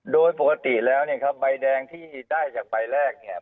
โดยปกติแล้วเนี่ยครับใบแดงที่ได้จากใบแรกเนี่ย